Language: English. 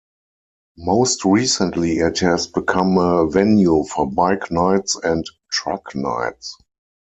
Most recently it has become a venue for bike nights and truck nights.